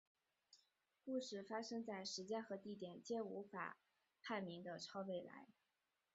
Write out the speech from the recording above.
故事发生在时间和地点皆无法判明的超未来。